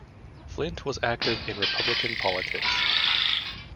Flint was active in Republican politics.